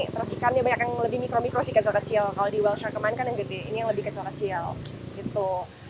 terus ikannya banyak yang lebih mikro mikro sih kecil kecil kalau di wellshore kemarin kan yang gede ini yang lebih kecil kecil gitu